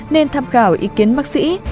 nên tham khảo ý kiến bác sĩ